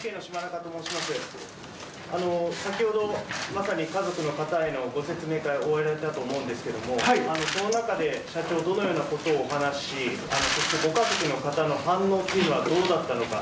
先ほど、まさに家族の方へのご説明会を終えられたと思いますがその中で社長はどのようなことを話しそしてご家族の方の反応はどうだったのか。